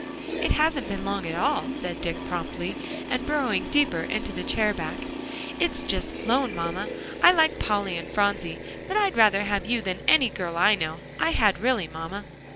"It hasn't been long at all," said Dick promptly, and burrowing deeper into the chair back; "it's just flown, mamma. I like Polly and Phronsie; but I'd rather have you than any girl I know; I had really, mamma."